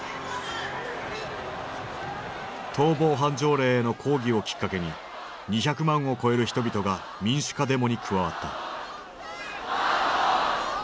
逃亡犯条例への抗議をきっかけに２００万を超える人々が民主化デモに加わった。